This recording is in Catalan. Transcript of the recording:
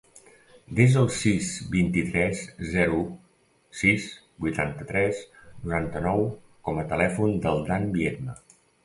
Desa el sis, vint-i-tres, zero, sis, vuitanta-tres, noranta-nou com a telèfon del Dan Viedma.